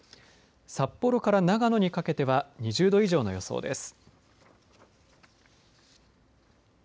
札幌から長野にかけては２０度以上の予想です。